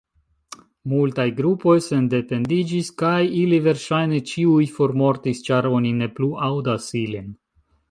Multaj grupoj sendependiĝis, kaj ili verŝajne ĉiuj formortis ĉar oni ne plu aŭdas ilin.